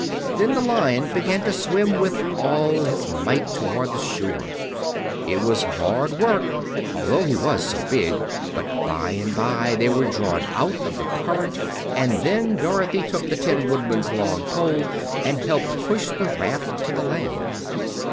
Then the Lion began to swim with all his might toward the shore. It was hard work, although he was so big; but by and by they were drawn out of the current, and then Dorothy took the Tin Woodman's long pole and helped push the raft to the land.